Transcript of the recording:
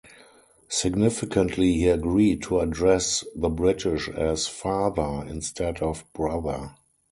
Significantly, he agreed to address the British as "father" instead of "brother".